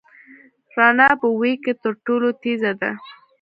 رڼا په وېګ کي تر ټولو تېزه ده.